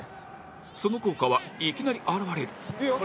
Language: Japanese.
その効果はいきなり表れる